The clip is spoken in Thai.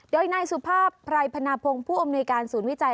โดยนายสุภาพไพรพนาพงศ์ผู้อำนวยการศูนย์วิจัย